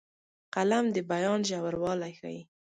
قلم د بیان ژوروالی ښيي